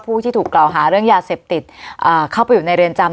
ผู้ที่ถูกกล่าวหาเรื่องยาเสพติดเข้าไปอยู่ในเรือนจำ